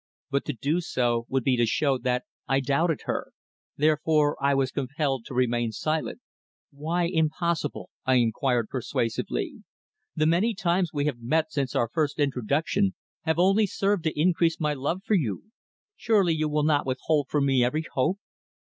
But to do so would be to show that I doubted her; therefore I was compelled to remain silent. "Why impossible?" I inquired persuasively. "The many times we have met since our first introduction have only served to increase my love for you. Surely you will not withhold from me every hope?"